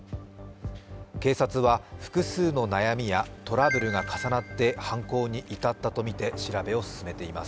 警察は複数の悩みやトラブルが重なって犯行に至ったとみて調べを進めています。